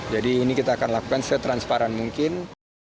jadi ini kita akan lakukan setransparan mungkin